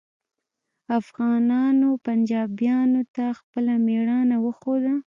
افغانانو پنجابیانو ته خپله میړانه وښوده